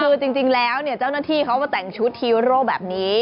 คือจริงแล้วเนี่ยเจ้าหน้าที่เขามาแต่งชุดฮีโร่แบบนี้